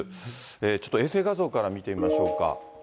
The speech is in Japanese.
ちょっと衛星画像から見てみましょうか。